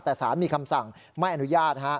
แต่สารมีคำสั่งไม่อนุญาต